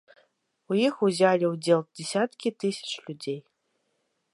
У іх узялі ўдзел дзясяткі тысяч людзей.